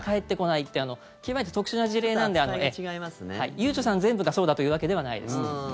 ゆうちょさん全部がそうだというわけではないです。